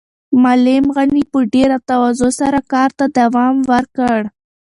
معلم غني په ډېره تواضع سره کار ته دوام ورکړ.